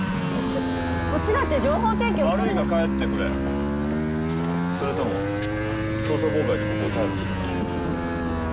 ちょっとこっちだって情報提供悪いが帰ってくれそれとも捜査妨害で僕を逮捕するかい？